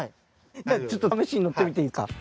じゃあちょっと試しに乗ってみていいですか？